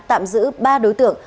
tạm giữ ba đối tượng